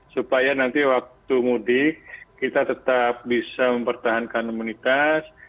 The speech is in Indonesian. supaya nanti waktu mudik kita tetap bisa mempertahankan imunitas